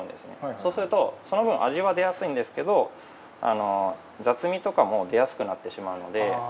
そうするとその分味は出やすいんですけど雑味とかも出やすくなってしまうので。